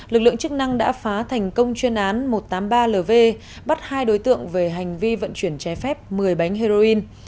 lực lượng chức năng đã phá thành công chuyên án một trăm tám mươi ba lv bắt hai đối tượng về hành vi vận chuyển trái phép một mươi bánh heroin